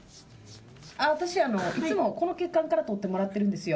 私いつもこの血管からとってもらっているんですよ。